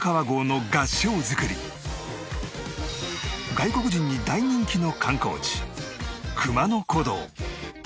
外国人に大人気の観光地熊野古道。